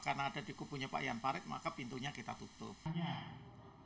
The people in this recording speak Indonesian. karena ada di kubunya pak ian farid tentu kami tidak boleh juga melihat yang di kubunya pak ian farid